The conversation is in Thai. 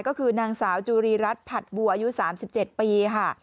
ก็คือนางสาวจุรีรัฐผัดบัวอายุ๓๗ปีค่ะ